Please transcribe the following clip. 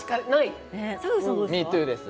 ミートゥーです。